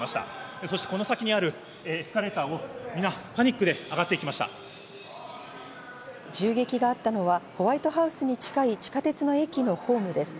そして、この先にあるエスカレーターを銃撃があったのはホワイトハウスに近い地下鉄の駅のホームです。